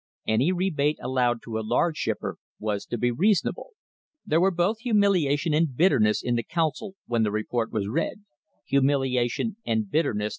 Any rebate allowed to a large shipper was to be reason able.* There were both humiliation and bitterness in the Council when the report was read — humiliation and bitterness that * See Appendix, Number 36.